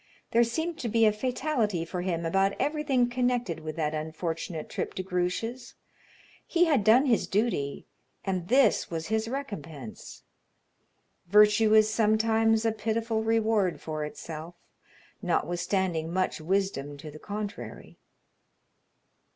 There seemed to be a fatality for him about everything connected with that unfortunate trip to Grouche's. He had done his duty, and this was his recompense. Virtue is sometimes a pitiful reward for itself, notwithstanding much wisdom to the contrary.